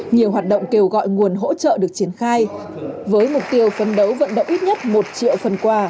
nhiều hoạt động kêu gọi nguồn hỗ trợ được triển khai với mục tiêu phấn đấu vận động ít nhất một triệu phần quà